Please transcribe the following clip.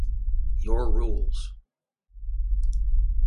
Your Rules.